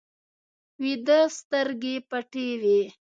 ویده سترګې پټې وي